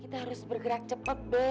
kita harus bergerak cepet be